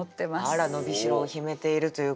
あら伸びしろを秘めているということで。